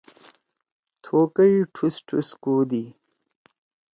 تھوکئی ٹُھس ٹُھس کودی؟